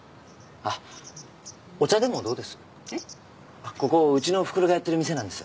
あっここうちのおふくろがやってる店なんです。